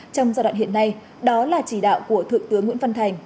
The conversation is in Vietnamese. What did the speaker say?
trong giai đoạn hiện nay đó là chỉ đạo của thượng tướng nguyễn văn thành